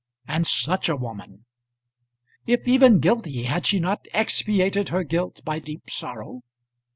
And such a woman! If even guilty, had she not expiated her guilt by deep sorrow?